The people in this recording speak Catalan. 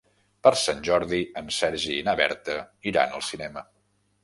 Per Sant Jordi en Sergi i na Berta iran al cinema.